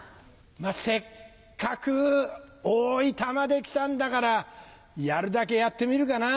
まっせっかく大分まで来たんだからやるだけやってみるかな。